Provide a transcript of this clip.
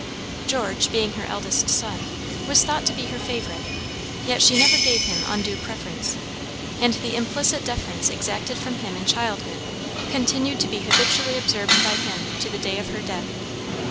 George, being her eldest son, was thought to be her favorite, yet she never gave him undue preference, and the implicit deference exacted from him in childhood continued to be habitually observed by him to the day of her death.